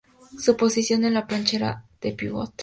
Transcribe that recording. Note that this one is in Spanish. Su posición en la cancha era la de pívot.